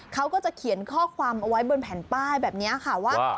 เขาก็จะเขียนข้อความเอาไว้บนแผ่นป้ายแบบนี้ค่ะว่า